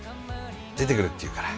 出てくれって言うから。